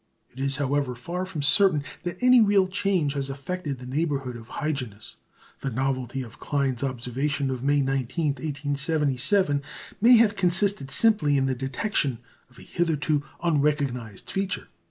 It is, however, far from certain that any real change has affected the neighbourhood of Hyginus. The novelty of Klein's observation of May 19, 1877, may have consisted simply in the detection of a hitherto unrecognised feature.